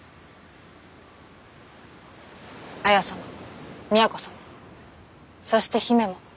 文様都様そして姫も。